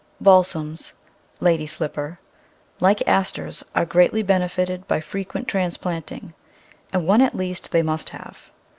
Balsams (Lady Slipper), like Asters, are greatly benefited by frequent transplanting, and one at least they must have.